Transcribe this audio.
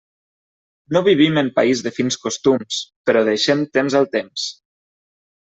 No vivim en país de fins costums, però deixem temps al temps.